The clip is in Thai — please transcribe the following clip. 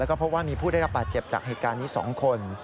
แล้วก็พบว่ามีผู้ได้รับบาดเจ็บจากเหตุการณ์นี้๒คน